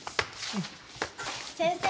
先生